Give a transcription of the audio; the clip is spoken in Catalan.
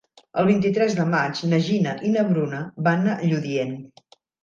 El vint-i-tres de maig na Gina i na Bruna van a Lludient.